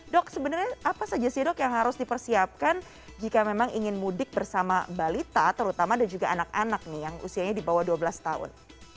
dok sebenarnya apa saja sih dok yang harus dipersiapkan jika memang ingin mudik bersama balita terutama dan juga anak anak nih yang usianya di bawah dua belas tahun